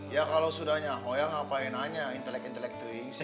ya kalau sudah saya ngapain nanya intelek intelek itu